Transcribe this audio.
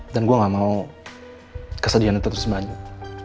dan saya tidak mau kesedihan itu terus berlanjut